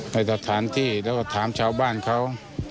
ในสถานที่แล้วก็ถามชาวบ้านเขา